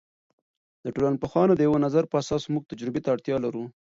د ټولنپوهانو د یوه نظر په اساس موږ تجربې ته اړتیا لرو.